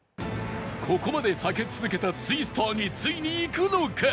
ここまで避け続けたツイスターについにいくのか？